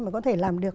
mà có thể làm được